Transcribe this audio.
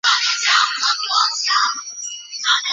米底捷斯基球场的姓氏命名。